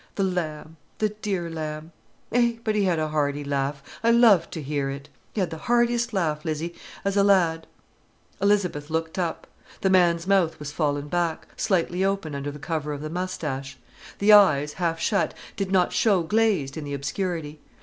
The lamb, the dear lamb. Eh, but he had a hearty laugh. I loved to hear it. He had the heartiest laugh, Lizzie, as a lad——" Elizabeth looked up. The man's mouth was fallen back, slightly open under the cover of the moustache. The eyes, half shut, did not show glazed in the obscurity.